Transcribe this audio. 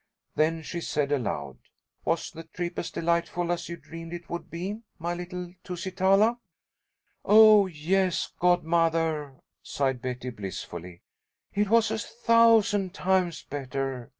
Then she said aloud. "Was the trip as delightful as you dreamed it would be, my little Tusitala?" "Oh, yes, godmother," sighed Betty, blissfully. "It was a thousand times better!